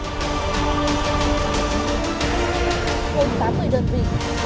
hơn tám người đơn vị